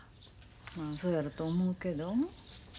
そうやろと思うけど。